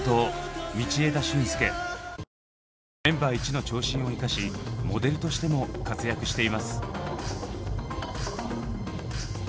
メンバー１の長身を生かしモデルとしても活躍しています。